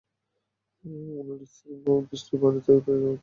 ওনার স্থির দৃষ্টির পানে তাকিয়ে মৃদু হেসে জবাব দিই, হ্যাঁ আপা।